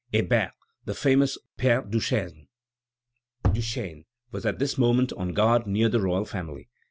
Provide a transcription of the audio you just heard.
Hébert (the famous Père Duchesne) was at this moment on guard near the royal family.